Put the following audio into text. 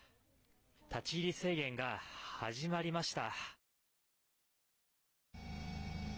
立ち入り制限が始まりました。